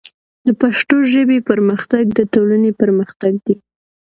د پښتو ژبې پرمختګ د ټولنې پرمختګ دی.